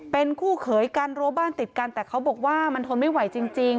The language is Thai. เป็นคู่เขยกันรั้วบ้านติดกันแต่เขาบอกว่ามันทนไม่ไหวจริง